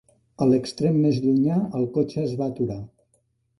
A l'extrem més llunyà, el cotxe es va aturar.